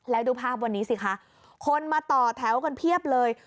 แล้วดูภาพวันนี้สิคะคนมาต่อแถวกันเพียบเลย